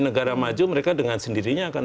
negara maju mereka dengan sendirinya akan